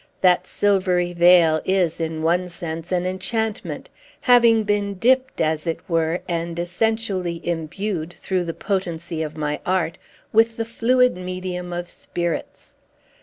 That silvery veil is, in one sense, an enchantment, having been dipped, as it were, and essentially imbued, through the potency of my art, with the fluid medium of spirits.